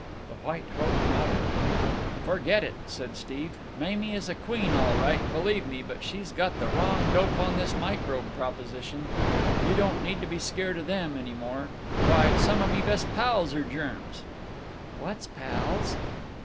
The White Hope nodded. "Forget it!" said Steve. "Mamie is a queen, all right, believe me, but she's got the wrong dope on this microbe proposition. You don't need to be scared of them any more. Why, some of me best pals are germs." "What's pals?"